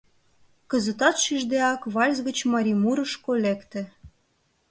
Кызытат шиждеак вальс гыч марий мурышко лекте.